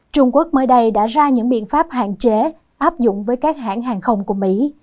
trung quốc mới đây đã ra những biện pháp hạn chế áp dụng với các hãng hàng không của mỹ